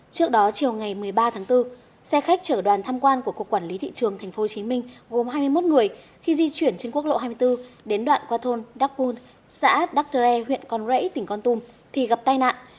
trước đó chiều ngày một mươi ba tháng bốn xe khách chở đoàn tham quan của cục quản lý thị trường tp hcm gồm hai mươi một người khi di chuyển trên quốc lộ hai mươi bốn đến đoạn qua thôn đắk pun xã đắk tre huyện con rẫy tỉnh con tum thì gặp tai nạn